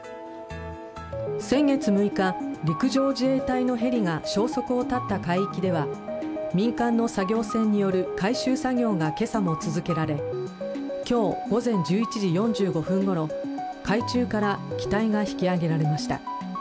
先月６日陸上自衛隊のヘリが消息を絶った海域では、民間の作業船による回収作業が今朝も続けられ今日午前１１時４５分ごろ海中から機体が引き揚げられました。